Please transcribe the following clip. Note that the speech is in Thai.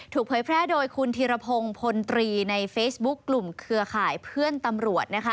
เผยแพร่โดยคุณธีรพงศ์พลตรีในเฟซบุ๊คกลุ่มเครือข่ายเพื่อนตำรวจนะคะ